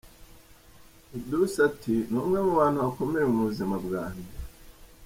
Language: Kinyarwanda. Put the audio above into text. Edouce ati “Ni umwe mubantu bakomeye mu buzima bwanjye.